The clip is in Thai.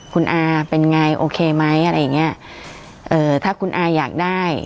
คุณอาเป็นไงโอเคไหมอะไรอย่างเงี้ยเอ่อถ้าคุณอาอยากได้